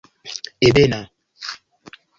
ebena